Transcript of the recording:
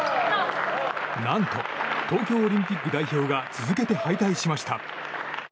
何と東京オリンピック代表が続けて敗退しました。